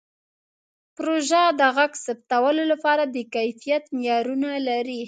پروژه د غږ ثبتولو لپاره د کیفیت معیارونه لري.